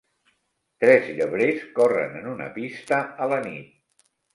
Tres llebrers corren en una pista a la nit.